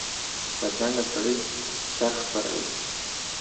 بدرنګه سړي شر خپروي